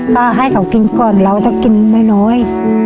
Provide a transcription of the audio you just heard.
ก็ให้เขากินก่อนเราต้องกินน้อย